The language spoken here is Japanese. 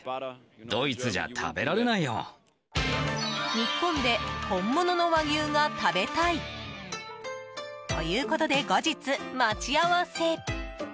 日本で本物の和牛が食べたい。ということで後日、待ち合わせ。